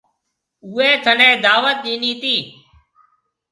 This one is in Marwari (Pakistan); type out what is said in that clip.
اُوئي ٿَني دعوت ڏنِي تي۔